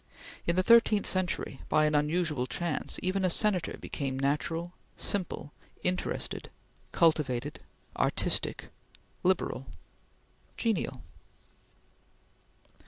In the thirteenth century, by an unusual chance, even a Senator became natural, simple, interested, cultivated, artistic, liberal genial.